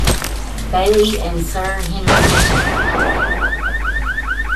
Bayley and Sir Henry Bishop.